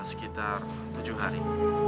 sekitar tujuh hari